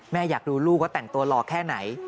แม่อยากดูลูกก็แต่งตัวรอแค่ไหน